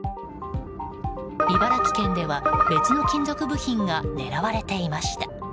茨城県では別の金属部品が狙われていました。